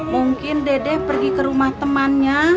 mungkin dedek pergi ke rumah temannya